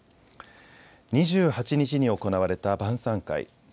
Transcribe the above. ２８日に行われた晩さん会。